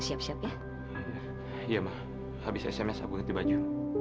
siap siap ya iya mah habis sms aku nanti baju